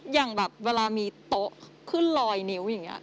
อย่างแบบเวลามีโต๊ะขึ้นลอยนิ้วอย่างนี้